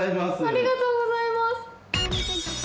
ありがとうございます。